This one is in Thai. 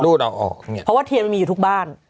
เพราะว่าเทียนมันมีอยู่ทุกบ้าน